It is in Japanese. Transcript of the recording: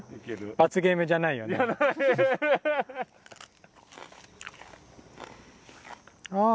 罰ゲームじゃないよね？じゃない。